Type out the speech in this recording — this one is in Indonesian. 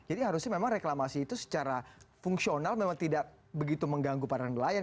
jadi harusnya memang reklamasi itu secara fungsional memang tidak begitu mengganggu pada nelayan